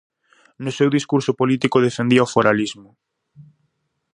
No seu discurso político defendía o foralismo.